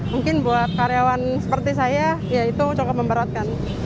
mungkin buat karyawan seperti saya ya itu cukup memberatkan